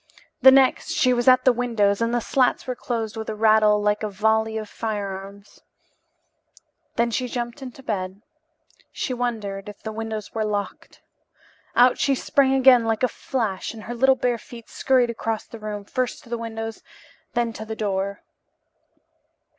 The next she was at the windows and the slats were closed with a rattle like a volley of firearms. Then she jumped into bed. She wondered if the windows were locked. Out she sprang again like a flash, and her little bare feet scurried across the room, first to the windows and then to the door.